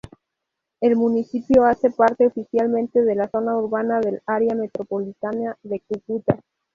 El municipio hace parte oficialmente de la zona urbana del Área metropolitana de Cúcuta.